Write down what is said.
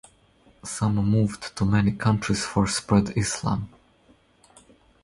Some moved to many countries for spread Islam.